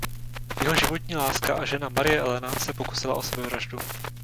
Jeho životní láska a žena Marie Elena se pokusila o sebevraždu.